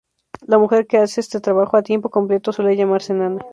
La mujer que hace este trabajo a tiempo completo suele llamarse nana.